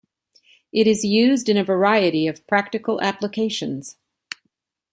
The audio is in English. It is used in a variety of practical applications.